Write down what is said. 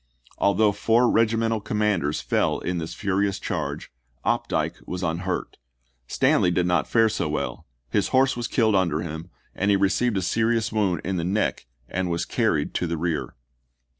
Although four regimental commanders fell in this furious charge, Opdycke was unhurt. Stanley did not fare so well ; his horse was killed under him and he received a serious wound in the neck and was carried to the rear.